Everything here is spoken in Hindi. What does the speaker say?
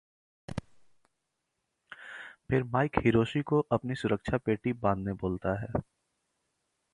फिर माइक हिरोशी को अपनी सुरक्षा पेटी बांधने बोलता है।